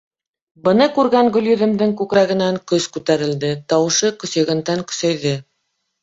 Быны күргән Гөлйөҙөмдөң күкрәгенән көс күтәрелде, тауышы көсәйгәндән-көсәйҙе.